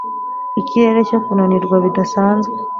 Ikirere cyo kunanirwa bidasanzwe